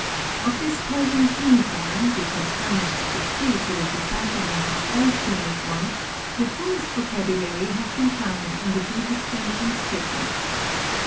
Of this Persian cuneiform, which has furnished the key to the decipherment of all cuneiform, the fullest vocabulary has been found in the Behistun inscriptions.